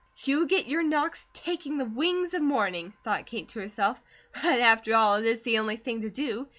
"You get your knocks 'taking the wings of morning,'" thought Kate to herself, "but after all it is the only thing to do.